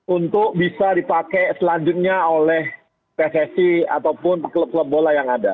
untuk bisa dipakai selanjutnya oleh pssi ataupun klub klub bola yang ada